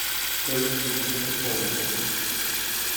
There were three necropoli.